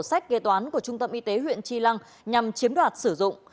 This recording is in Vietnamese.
sách kế toán của trung tâm y tế huyện chi lăng nhằm chiếm đoạt sử dụng